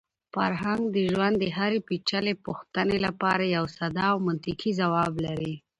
فرهنګ د ژوند د هرې پېچلې پوښتنې لپاره یو ساده او منطقي ځواب لري.